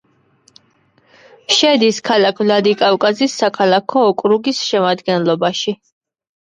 შედის ქალაქ ვლადიკავკაზის საქალაქო ოკრუგის შემადგენლობაში.